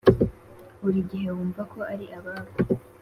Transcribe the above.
buri gihe wumva ko ari ababo?